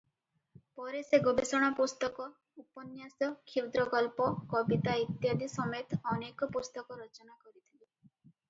ପରେ ସେ ଗବେଷଣା ପୁସ୍ତକ, ଉପନ୍ୟାସ, କ୍ଷୁଦ୍ରଗଳ୍ପ, କବିତା ଇତ୍ୟାଦି ସମେତ ଅନେକ ପୁସ୍ତକ ରଚନା କରିଥିଲେ ।